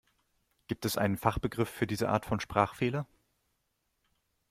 Gibt es einen Fachbegriff für diese Art von Sprachfehler?